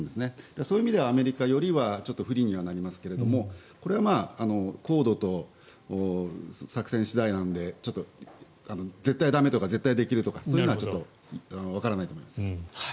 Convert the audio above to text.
そういう意味ではアメリカよりはちょっと不利になりますがこれは高度と作戦次第なので絶対駄目とか絶対できるとか、そういうのはわからないと思います。